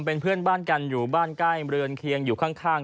เป็นเพื่อนบ้านกันอยู่บ้านใกล้เรือนเคียง